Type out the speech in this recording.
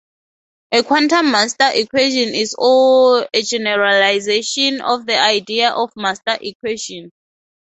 A quantum master equation is a generalization of the idea of a master equation.